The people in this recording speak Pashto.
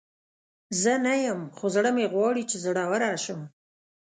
زه نه یم، خو زړه مې غواړي چې زړوره شم.